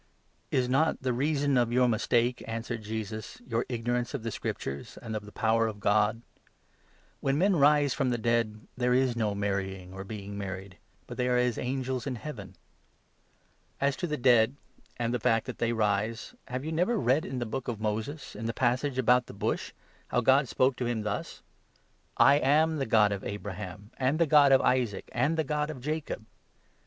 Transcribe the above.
Is not the reason of your mistake," answered Jesus, " your 24 ignorance of the Scriptures and of the power of God ? When 25 men rise from the dead, there is no marrying or being married ; but they are as angels in Heaven. As to the dead, 26 and the fact that they rise, have you never read in the Book of Moses, in the passage about the Bush, how God spoke to him thus — i ' I am the God of Abraham, and the God of Isaac, and the God of Jacob '